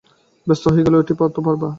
ব্যস্ত হয়ে বললে, ঐটি তো পারব না।